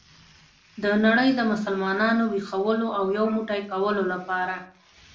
د نړۍ د مسلمانانو ویښولو او یو موټی کولو لپاره.